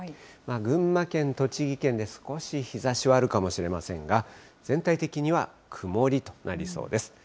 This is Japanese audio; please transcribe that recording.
群馬県、栃木県で少し日ざしはあるかもしれませんが、全体的には曇りとなりそうです。